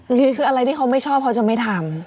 หรือคืออะไรที่เขาไม่ชอบเขาจะไม่ทำ